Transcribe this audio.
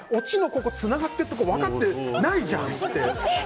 ここつながっているところ分かってないじゃんって。